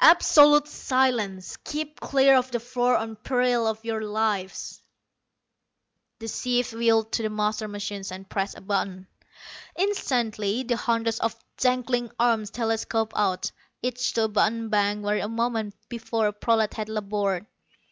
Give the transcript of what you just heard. "Absolute silence. Keep clear of the floor on peril of your lives." The chief wheeled to the master machine and pressed a button. Instantly, the hundreds of dangling arms telescoped out, each to a button bank where a moment before a prolat had labored.